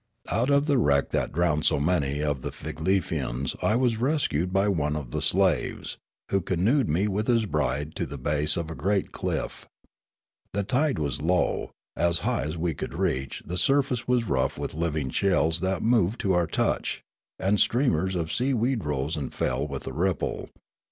Out of the wreck that drowned so many of the Fig lefians I was rescued by one of the slaves, who canoed ;o2 Riallaro me with his bride to the base of a great cliff. The tide was low : as high as we could reach, the surface was rough with living shells that moved to our touch, and streamers of seaweed rose and fell with the ripple.